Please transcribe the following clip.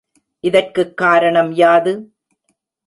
இதற்குக் காரணம் யாது?